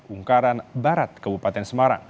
ungkaran barat kabupaten semarang